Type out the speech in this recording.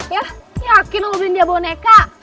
yah yakin lo beli dia boneka